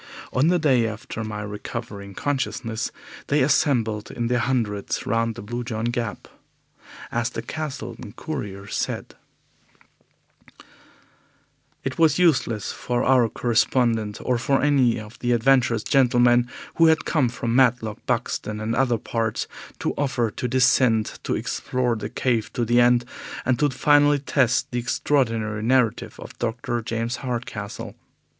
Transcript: On the day after my recovering consciousness they assembled in their hundreds round the Blue John Gap. As the Castleton Courier said: "It was useless for our correspondent, or for any of the adventurous gentlemen who had come from Matlock, Buxton, and other parts, to offer to descend, to explore the cave to the end, and to finally test the extraordinary narrative of Dr. James Hardcastle.